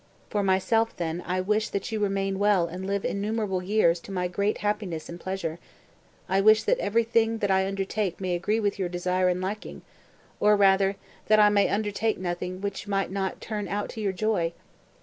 For myself, then, I wish that you remain well and live innumerable years to my great happiness and pleasure; I wish that everything that I undertake may agree with your desire and liking, or, rather, that I may undertake nothing which might not turn out to your joy.